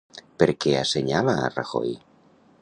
Per què assenyala a Rajoy?